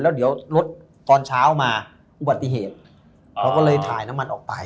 แล้วเดี๋ยวรถตอนเช้ามาอุบัติเหตุเราก็เลยถ่ายน้ำมันออกไป